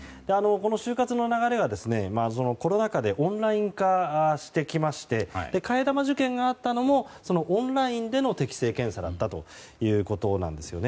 この就活の流れは、コロナ禍でオンライン化してきまして替え玉受験があったのもオンラインでの適性検査だったということなんです。